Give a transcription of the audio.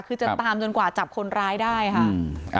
คือจะตามจนกว่าจับคนร้ายได้ค่ะ